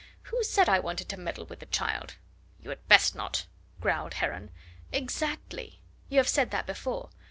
Who said I wanted to meddle with the child?" "You had best not," growled Heron. "Exactly. You have said that before.